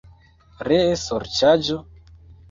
Ree sorĉaĵo?